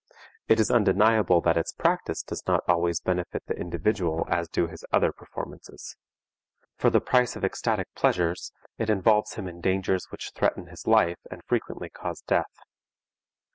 It is undeniable that its practice does not always benefit the individual as do his other performances. For the price of ecstatic pleasures it involves him in dangers which threaten his life and frequently cause death.